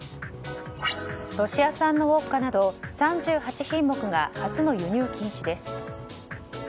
ロシア産のウォッカなど３８品目が初の輸入禁止です。